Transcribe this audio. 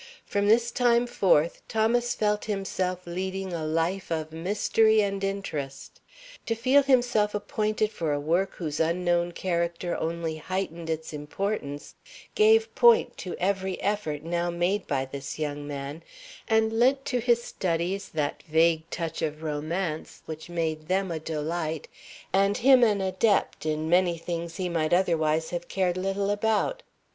From this time forth Thomas felt himself leading a life of mystery and interest. To feel himself appointed for a work whose unknown character only heightened its importance gave point to every effort now made by this young man, and lent to his studies that vague touch of romance which made them a delight, and him an adept in many things he might otherwise have cared little about.